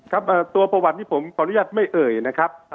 ครับตัวประวัติที่ผมขออนุญาตไม่เอ่ยนะครับ